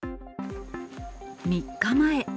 ３日前。